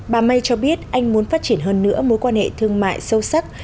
bà may cho biết anh muốn phát triển hơn nữa mối quan hệ thương mại sâu sắc